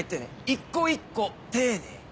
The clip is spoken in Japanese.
一個一個丁寧に。